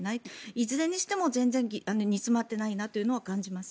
いずれにしても全然煮詰まってないなというのを感じます。